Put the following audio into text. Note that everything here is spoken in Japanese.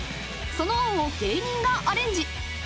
［その案を芸人がアレンジ］